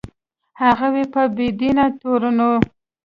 هغوی په بې دینۍ تورنوي.